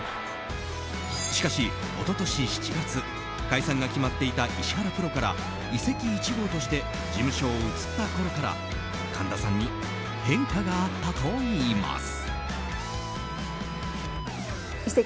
しかし、一昨年７月解散が決まっていた石原プロから移籍１号として事務所を移ったころから神田さんに変化があったといいます。